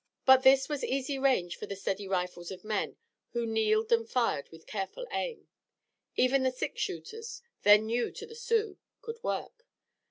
But this was easy range for the steady rifles of men who kneeled and fired with careful aim. Even the six shooters, then new to the Sioux, could work.